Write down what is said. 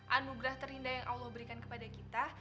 anugerah terindah yang allah berikan kepada kita